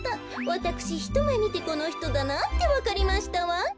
わたくしひとめみてこのひとだなってわかりましたわん。